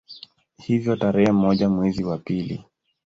Hivyo tarehe moja mwezi wa pili